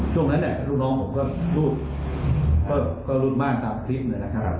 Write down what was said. ช่วงนั้นเนี้ยลูกน้องผมก็รูดก็รูดม่านตามคลิปเลยนะครับ